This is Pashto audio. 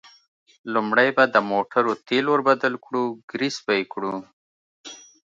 لومړی به د موټرو تېل ور بدل کړو، ګرېس به یې کړو.